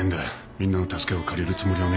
みんなの助けを借りるつもりはねえ。